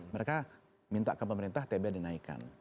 mereka minta ke pemerintah tb dinaikkan